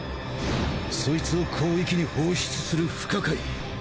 そいつを広域に放出する負荷塊。